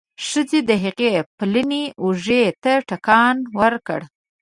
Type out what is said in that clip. ښځې د هغه پلنې اوږې ته ټکان ورکړ.